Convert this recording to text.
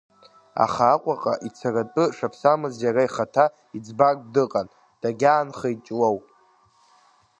Аха Аҟәаҟа ицаратәы шаԥсамыз иара ихаҭа иӡбартә дыҟан, дагьаанхеит Ҷлоу.